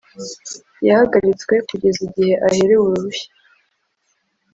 yahagaritswe kugeza igihe aherewe uruhushya